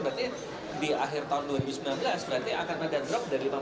berarti di akhir tahun dua ribu sembilan belas akan berdamping dari lima puluh lima